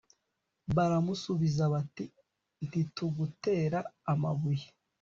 baramusubiza bati ntitugutera amabuye